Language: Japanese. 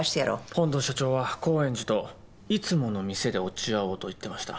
本藤社長は高円寺といつもの店で落ち合おうと言ってました。